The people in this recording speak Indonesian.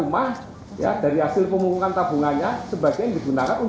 makanya perlu ada gerakan